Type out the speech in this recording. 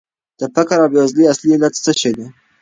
د فقر او بېوزلۍ اصلي علت څه شی دی؟